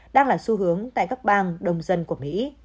đang là xu hướng tại các bang đông dân của mỹ